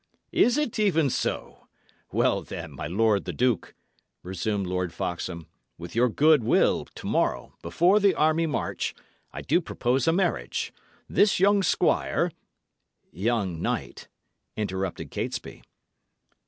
"Is it even so? Well, then, my lord the duke," resumed Lord Foxham, "with your good will, to morrow, before the army march, I do propose a marriage. This young squire " "Young knight," interrupted Catesby.